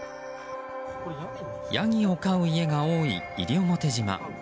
ヤギを飼う家が多い西表島。